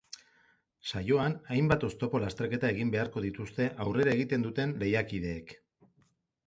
Saioan, hainbat oztopo lasterketa egin beharko dituzte aurrera egiten duten lehiakideek.